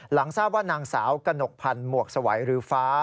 หลังทราบว่านางสาวกระหนกพันธ์หมวกสวัยหรือฟ้า